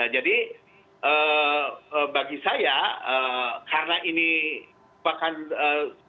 jadi bagi saya karena ini bahkan tak tanggung jawab